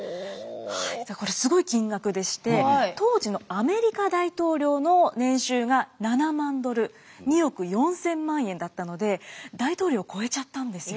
これすごい金額でして当時のアメリカ大統領の年収が７万ドル２億４，０００万円だったので大統領を超えちゃったんですよ。